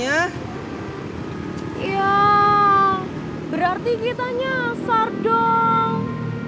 ya berarti kita nyasar dong